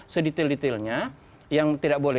sedetil detilnya yang tidak boleh